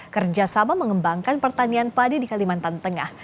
kerjasama mengembangkan pertanian padi di kalimantan tengah